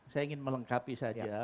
saya ingin melengkapi saja